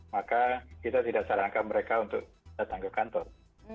maka kita tidak sarankan mereka untuk datang ke kantor